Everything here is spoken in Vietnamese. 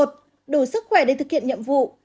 một đủ sức khỏe để thực hiện nhiệm vụ